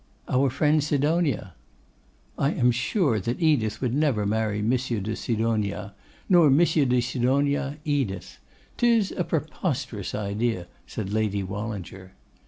'Our friend Sidonia.' 'I am sure that Edith would never marry Monsieur de Sidonia, nor Monsieur de Sidonia, Edith. 'Tis a preposterous idea!' said Lady Wallinger.